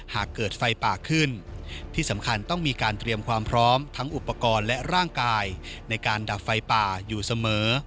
หากเกิดไฟป่าขึ้นที่สำคัญต้องมีการเตรียมความพร้อมทั้งอุปกรณ์และร่างกายในการดับไฟป่าอยู่เสมอ